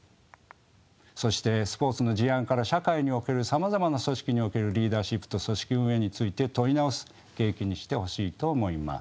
そしてスポーツの事案から社会におけるさまざまな組織におけるリーダーシップと組織運営について問い直す契機にしてほしいと思います。